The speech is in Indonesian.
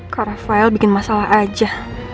karena rafael bikin masalah aja